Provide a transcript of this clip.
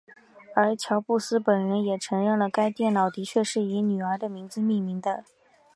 而乔布斯本人也承认了该电脑的确是以女儿的名字命名的。